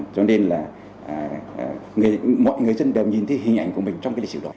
cho nên là mọi người dân đều nhìn thấy hình ảnh của mình trong cái lịch sử đó